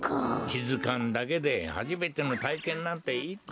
きづかんだけではじめてのたいけんなんていくらでもあるよ。